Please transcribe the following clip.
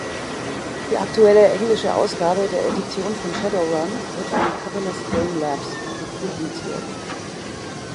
Die aktuelle englische Ausgabe der Edition von Shadowrun wird von Catalyst Game Labs publiziert.